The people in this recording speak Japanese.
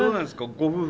ご夫婦。